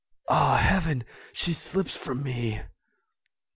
Ah, heaven, she slips from me!"